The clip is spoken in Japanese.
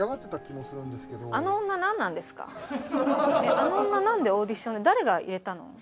あの女なんでオーディション誰が入れたの？